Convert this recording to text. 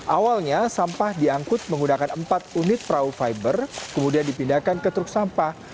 awalnya sampah diangkut menggunakan empat unit perahu fiber kemudian dipindahkan ke truk sampah